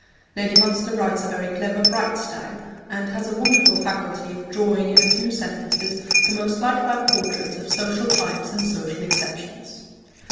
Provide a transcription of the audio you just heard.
Lady Munster writes a very clever, bright style, and has a wonderful faculty of drawing in a few sentences the most lifelike portraits of social types and social exceptions.